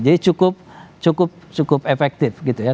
jadi cukup efektif gitu ya